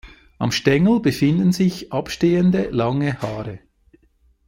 Am Stängel befinden sich abstehende lange Haare.